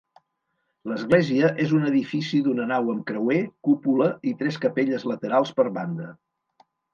L'església és un edifici d'una nau amb creuer, cúpula i tres capelles laterals per banda.